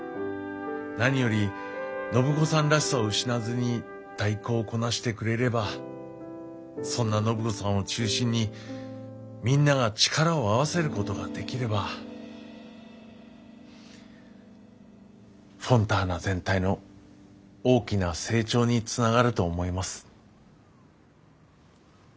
何より暢子さんらしさを失わずに代行をこなしてくれればそんな暢子さんを中心にみんなが力を合わせることができればフォンターナ全体の大きな成長につながると思います。